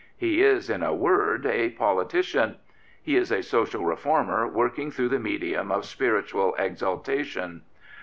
He is, in a word, a politician. He is a social reformer working through the medium of spiritual exaltation.